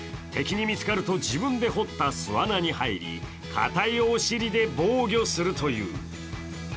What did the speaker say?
敵に見つかると、自分で掘った巣穴に入り、硬いお尻で防御するという。